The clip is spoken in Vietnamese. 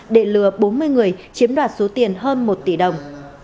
để lừa bốn mươi người chiếm đoạt số tiền hơn một tỷ đồng